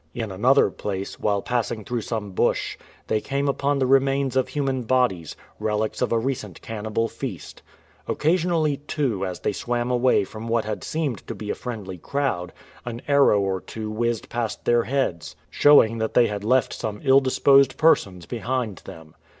In another place, while passing through some bush, they came upon the remains of human bodies, relics of a recent cannibal feast. Occasionally, too, as they swam away from what had seemed to be a friendly crowd, an arrow or two whizzed past their heads, showing that they had left some ill disposed persons behind them.